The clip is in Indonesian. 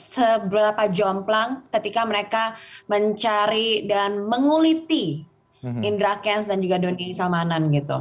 seberapa jomplang ketika mereka mencari dan menguliti indra kents dan juga doni salmanan gitu